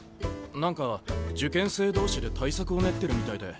何か受験生同士で対策を練ってるみたいで。